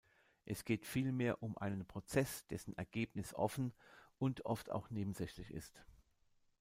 Es geht vielmehr um einen Prozess, dessen Ergebnis offen und oft auch nebensächlich ist.